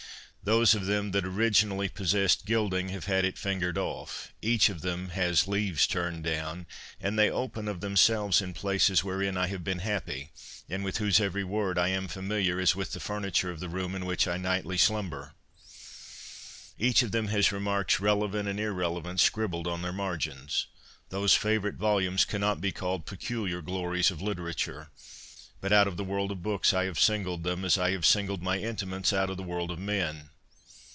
Those of them that originally possessed gilding have had it fingered off, each of them has leaves turned down, and they open of themselves in places wherein I have been happy, and with whose every word I am familiar as with the furniture of the room in which I nightly slumber ; each of them has remarks relevant and irrelevant scribbled on their margins. Those favourite volumes cannot be called peculiar glories of literature ; but out of the world of books I have singled them, as I have singled my intimates out of the world of men.'